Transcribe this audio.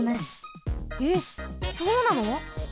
えっそうなの？